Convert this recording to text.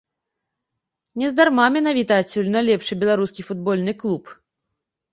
Нездарма менавіта адсюль найлепшы беларускі футбольны клуб.